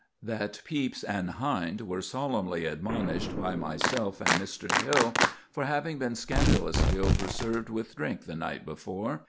That Peapys and Hind were solemnly admonished by myself and Mr. Hill for having been scandalously overserved with drink y^e night before.